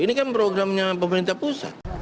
ini kan programnya pemerintah pusat